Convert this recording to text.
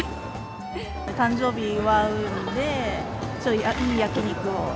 誕生日祝うので、ちょいいい焼き肉を。